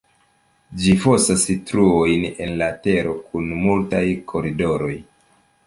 Ĝi fosas truojn en la tero kun multaj koridoroj.